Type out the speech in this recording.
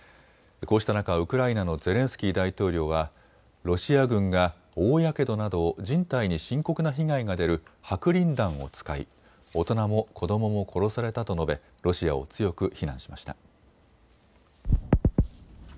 こうした中、ウクライナのゼレンスキー大統領はロシア軍が大やけどなど人体に深刻な被害が出る白リン弾を使い大人も子どもも殺されたと述べ、ロシアを強く非難しました。